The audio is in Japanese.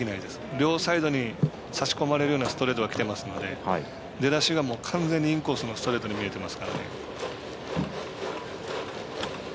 両サイドに差し込まれるようなストレートがきてますので出だしが完全にインコースのストレートに見えてますからね。